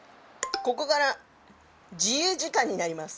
「ここから自由時間になります」